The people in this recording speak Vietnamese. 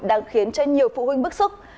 đang khiến cho nhiều phụ huynh bức xúc